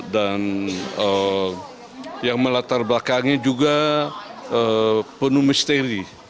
dan yang melatar belakangnya juga penuh misteri